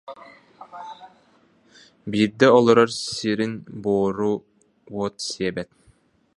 Биирдэ олорор сирин Буору уот сиэбит